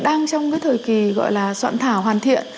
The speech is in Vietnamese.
đang trong cái thời kỳ gọi là soạn thảo hoàn thiện